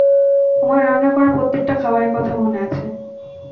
আমার রান্না করা প্রত্যেকটা খাবারের কথা মনে আছে।